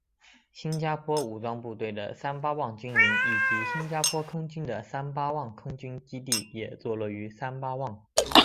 新加坡武装部队的三巴旺军营以及新加坡国空军的三巴旺空军基地也坐落与三吧旺。